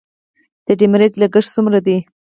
د ډیمریج لګښت څومره دی؟